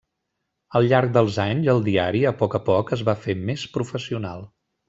Al llarg dels anys el diari a poc a poc es va fer més professional.